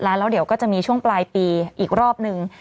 แล้วเดี๋ยวก็จะมีช่วงปลายปีอีกรอบนึง